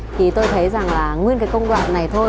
thì tôi thấy rằng là nguyên cái công đoạn này thôi